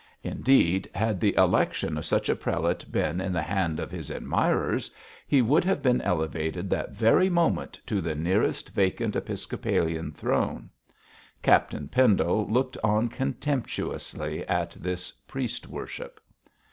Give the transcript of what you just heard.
Indeed, had the election of such a prelate been in the hands of his admirers, he would have been elevated that very moment to the nearest vacant episcopalian throne. Captain Pendle looked on contemptuously at this priest worship.